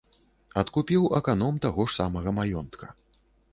Адкупіў аканом таго ж самага маёнтка.